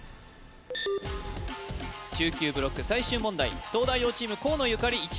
中級ブロック最終問題東大王チーム河野ゆかり